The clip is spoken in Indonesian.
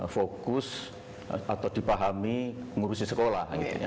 fokus atau dipahami mengurusi sekolah